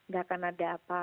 gak akan ada apa